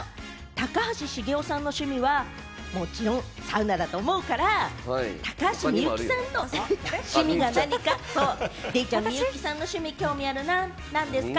高橋茂雄さんの趣味はもちろんサウナだと思うから、高橋みゆきさんの趣味が何か、デイちゃん、みゆきさんの趣味に興味あるな、なんですか？